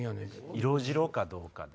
色白かどうかで。